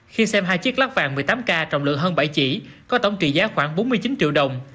khi xem hai chiếc lắc vàng một mươi tám k trọng lượng hơn bảy chỉ có tổng trị giá khoảng bốn mươi chín triệu đồng